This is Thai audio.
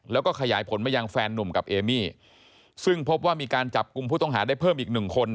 แล้วก็ขยายผลมายังแฟนนุ่มกับเอมี่ซึ่งพบว่ามีการจับกลุ่มผู้ต้องหาได้เพิ่มอีกหนึ่งคน